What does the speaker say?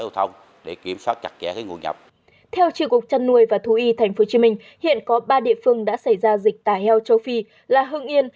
theo tri cục chăn nuôi và thú y tp hcm hiện có ba địa phương đã xảy ra dịch tả heo châu phi là hưng yên